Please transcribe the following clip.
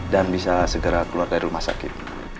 dan bisa segera keluar dari rumah sakit